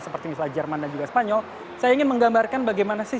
seperti misalnya jerman dan juga spanyol saya ingin menggambarkan bagaimana sih